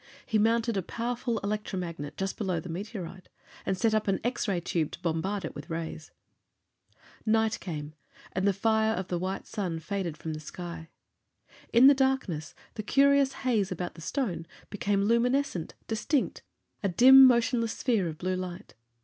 He mounted a powerful electromagnet just below the meteorite, and set up an X ray tube to bombard it with rays. Night came, and the fire of the white sun faded from the sky. In the darkness, the curious haze about the stone became luminescent, distinct, a dim, motionless sphere of blue light.